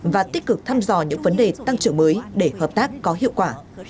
và tích cực thăm dò những vấn đề tăng trưởng mới để hợp tác có hiệu quả